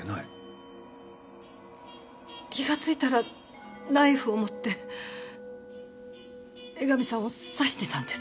気がついたらナイフを持って江上さんを刺してたんです。